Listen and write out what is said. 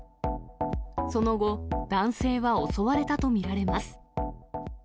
その後、男性は襲われたと見られます。